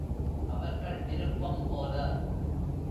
அவர்கள் விருப்பம் போல.